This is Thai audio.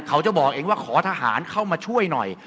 เขาจะบอกเองว่าขอทหารเข้ามาช่วยหน่อย